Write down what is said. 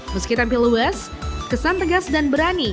meski tampil luas kesan tegas dan berani